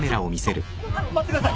待ってください！